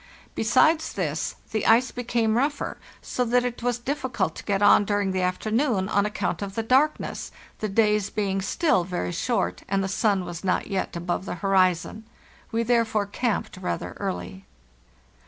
Besides this, the ice became rougher, so that it was difficult to get on during the afternoon on account of the darkness, the days being still very short and the sun was not yet above the horizon. We there fore camped rather early.